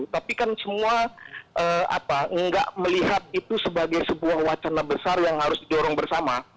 tapi kan semua nggak melihat itu sebagai sebuah wacana besar yang harus didorong bersama